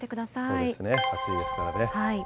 そうですね、暑いですからね。